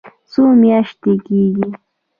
څو میاشتې کیږي؟